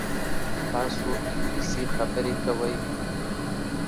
تاسو انګلیسي خبرې کوئ؟